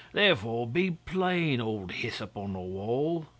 Therefore be plain, old Hyssop on the Wall!